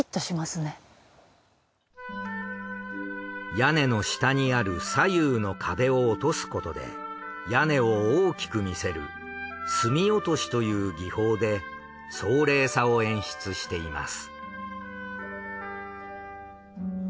屋根の下にある左右の壁を落とすことで屋根を大きく見せる隅落しという技法で壮麗さを演出しています。